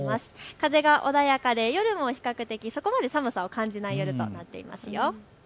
風が穏やかで夜も比較的そこまで寒さを感じない夜となっています。